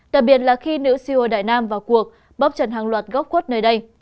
đặc biệt là khi nữ siêu hồi đại nam vào cuộc bóp trận hàng loạt góc quất nơi đây